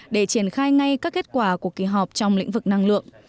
để triển khai ngay các kết quả của kỳ họp trong lĩnh vực năng lượng